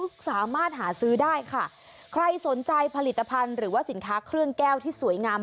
ก็สามารถหาซื้อได้ค่ะใครสนใจผลิตภัณฑ์หรือว่าสินค้าเครื่องแก้วที่สวยงาม